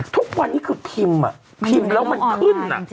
ทุกวันนี้คือพิมพ์พิมพ์แล้วมันขึ้น